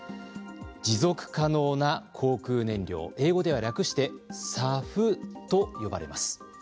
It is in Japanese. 持続可能な航空燃料、英語では略してＳＡＦと呼ばれます。